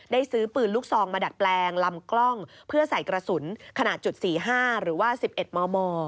ซื้อปืนลูกซองมาดัดแปลงลำกล้องเพื่อใส่กระสุนขนาดจุด๔๕หรือว่า๑๑มม